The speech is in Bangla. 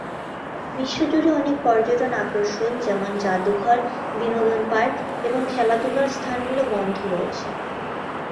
বিশ্বজুড়ে অনেক পর্যটন আকর্ষণ যেমন যাদুঘর, বিনোদন পার্ক এবং খেলাধুলার স্থানগুলি, বন্ধ রয়েছে।